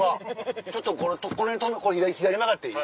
ちょっとこれ左曲がっていい？